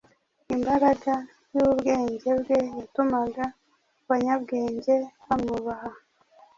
Imbaraga y’ubwenge bwe yatumaga abanyabwenge bamwubaha;